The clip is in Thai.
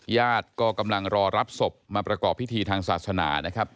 ญาติก็กำลังรอรับศพมาประกอบพิธีทางศาสนานะครับ